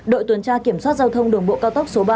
đội tuần tra kiểm soát giao thông đường bộ cao tốc số bảy